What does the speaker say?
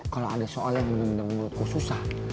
kalo ada soal yang bener bener menurut gue susah